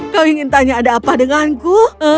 kau ingin tanya ada apa denganku